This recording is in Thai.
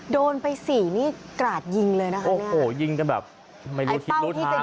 โดนไปสี่นี่กราดยิงเลยนะคะโอ้โหยิงกันแบบไม่รู้ทิศรู้ทาง